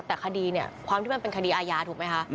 แต่คดีเนี่ยความที่มันเป็นคดีอาญาถูกไหมคะ